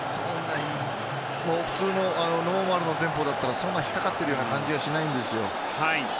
普通のノーマルのテンポならそんなに引っかかってるような感じはしないんですよ。